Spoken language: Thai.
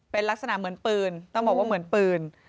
เป็นลักษณะเหมือนปืนต้องบอกว่าเหมือนปืน